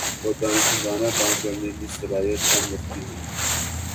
وہ دانشمندانہ کام کرنے کی صلاحیت کم رکھتی ہیں